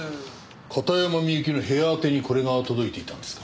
片山みゆきの部屋あてにこれが届いていたんですか？